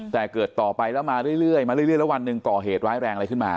แต่เกิดต่อไปแล้วมาเรื่อยมาเรื่อยแล้ววันหนึ่งก่อเหตุร้ายแรงอะไรขึ้นมา